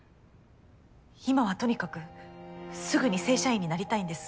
今はとにかくすぐに正社員になりたいんです。